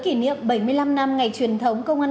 kỷ niệm bảy mươi năm năm ngày truyền thống công an